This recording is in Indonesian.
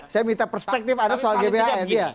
saya minta perspektif anda soal gbhn